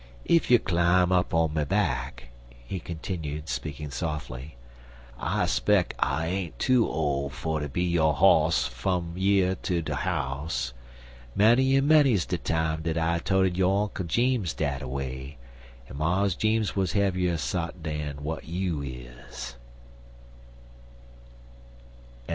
"Ef you'll clime up on my back," he continued, speaking softly, "I speck I ain't too ole fer ter be yo' hoss fum yer ter de house. Many en many's de time dat I toted yo' Unk Jeems dat away, en Mars Jeems wuz heavier sot dan w'at you is."